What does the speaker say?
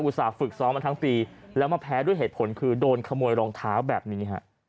ส่าห์ฝึกซ้อมมาทั้งปีแล้วมาแพ้ด้วยเหตุผลคือโดนขโมยรองเท้าแบบนี้ฮะ